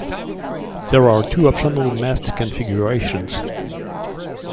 There are two optional mast configurations.